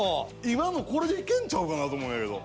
今のこれでいけんちゃうかなと思うんやけど。